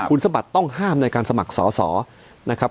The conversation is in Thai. คุณสมบัติต้องห้ามในการสมัครสอสอนะครับ